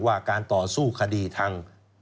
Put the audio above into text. ว่าการต่อสู้คดีทาง